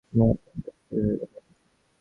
আমি আতঙ্কে অস্থির হয়ে গেলাম।